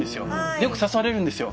でよく誘われるんですよ。